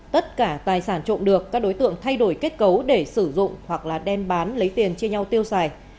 tất cả tài sản trộm được các đối tượng thay đổi kết cấu để sử dụng hoặc là đem bán lấy tiền chia nhau tiêu xài